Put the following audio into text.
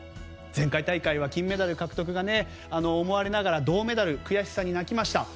前回大会は金メダル獲得と思われながら銅メダル、悔しさに泣きました。